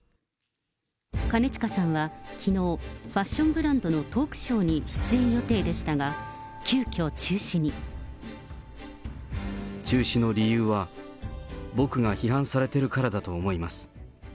兼近さんはきのう、ファッションブランドのトークショーに出演予定でしたが、急きょ、中止の理由は、僕が批判されているからだと思います。